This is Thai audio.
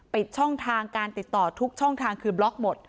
ปิดช่องทางการติดต่อทุกช่องทางคือบล็อกหมด